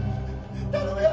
頼むよ！